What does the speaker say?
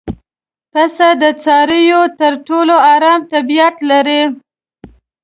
پسه د څارویو تر ټولو ارام طبیعت لري.